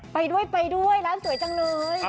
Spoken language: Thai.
ไปด้วยร้านสวยจังเลย